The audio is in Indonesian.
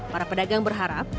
para pedagang berharap